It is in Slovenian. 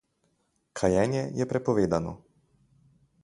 Kajenje je prepovedano.